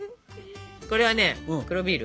これはね黒ビール。